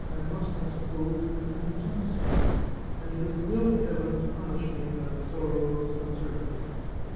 I must, I suppose, have committed some sin, and it is the will of Heaven to punish me by the sorrow of this uncertainty.